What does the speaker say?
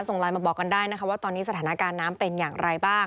ส่งไลน์มาบอกกันได้นะคะว่าตอนนี้สถานการณ์น้ำเป็นอย่างไรบ้าง